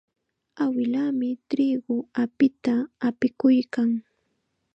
Awilaami triqu apita apikuykan.